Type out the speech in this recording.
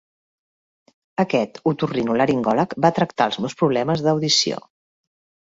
Aquest otorinolaringòleg va tractar els meus problemes d'audició.